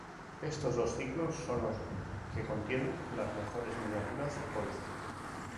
Estos dos ciclos son los que contienen las mejores miniaturas del códice.